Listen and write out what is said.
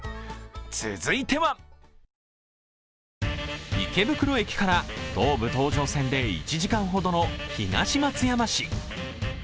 続いては池袋駅から東武東上線で１時間ほどの東松山市。